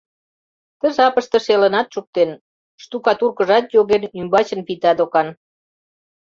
Ты жапыште шелынат шуктен, штукатуркыжат йоген, ӱмбачын вита докан.